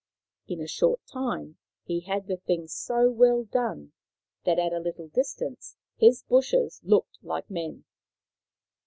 In a short time he had the thing so well done that at a little distance his bushes looked like men.